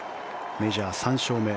メジャー３勝目。